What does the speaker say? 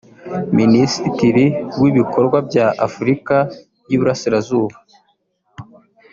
Minisitiri w’Ibikorwa bya Afurika y’Iburasirazuba